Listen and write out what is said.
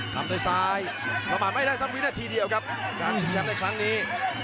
ทำด้วยซ้ายประมาทไม่ได้สักวินาทีเดียวครับการชิงแชมป์ในครั้งนี้